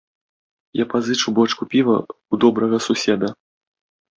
Я пазычу бочку піва ў добрага суседа!